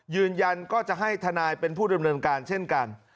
ยืนยันก็จะให้ทนายเป็นผู้ดำเนินการเช่นกัน